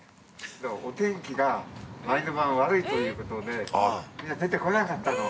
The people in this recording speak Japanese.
でも、お天気が前の晩悪いということで、みんな出てこなかったの。